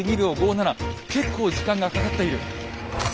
結構時間がかかっている。